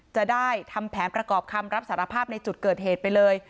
จะได้ทำแผนประกอบคำรับสารภาพในจุดเกิดเหตุไปเลย